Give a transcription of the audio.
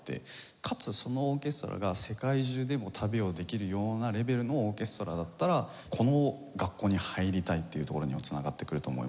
かつそのオーケストラが世界中でも旅をできるようなレベルのオーケストラだったら「この学校に入りたい」っていうところにも繋がってくると思いますし。